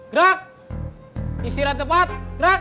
gerak istirahat tepat gerak